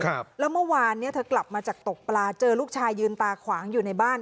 ครับแล้วเมื่อวานเนี้ยเธอกลับมาจากตกปลาเจอลูกชายยืนตาขวางอยู่ในบ้าน